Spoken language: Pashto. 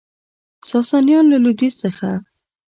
ساسانیان له لویدیځ څخه